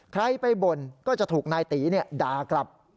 ใครไปบ่นก็จะถูกนายตีด่ากลับ